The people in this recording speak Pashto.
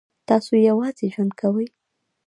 تاسو یوازې ژوند کوئ؟